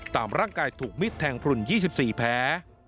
ตามร่างกายถูกมิดแทงพลุน๒๔แผล